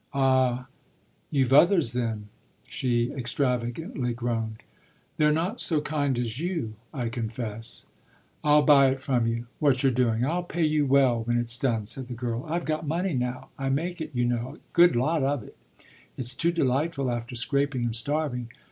"Ah you've others then?" she extravagantly groaned. "They're not so kind as you, I confess." "I'll buy it from you what you're doing: I'll pay you well when it's done," said the girl. "I've got money now. I make it, you know a good lot of it. It's too delightful after scraping and starving.